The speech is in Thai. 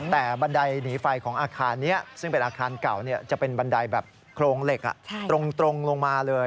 แต่บันไดหนีไฟของอาคารนี้ซึ่งเป็นอาคารเก่าจะเป็นบันไดแบบโครงเหล็กตรงลงมาเลย